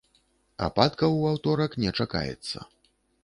Ападкаў у аўторак не чакаецца.